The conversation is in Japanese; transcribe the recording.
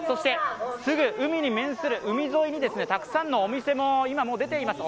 すぐ海に面する海沿いにたくさんのお店ももう今、出ています。